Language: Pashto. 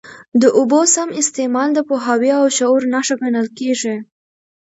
د اوبو سم استعمال د پوهاوي او شعور نښه ګڼل کېږي.